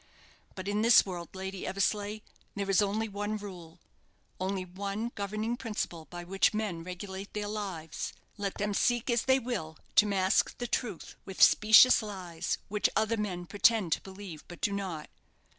But in this world, Lady Eversleigh, there is only one rule only one governing principle by which men regulate their lives let them seek as they will to mask the truth with specious lies, which other men pretend to believe, but do not.